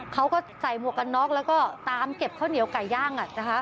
เขาก็ใส่หมวกกันน็อกแล้วก็ตามเก็บข้าวเหนียวไก่ย่าง